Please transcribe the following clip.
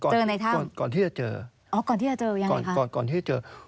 เจอในท่ามก่อนที่จะเจอก่อนที่จะเจอ